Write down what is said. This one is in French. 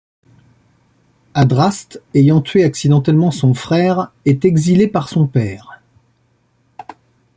Adraste, ayant tué accidentellement son frère est exilé par son père.